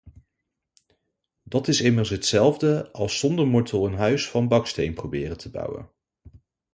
Dat is immers hetzelfde als zonder mortel een huis van baksteen proberen te bouwen.